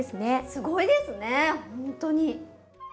すごいですねほんとに。